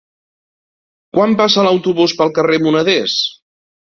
Quan passa l'autobús pel carrer Moneders?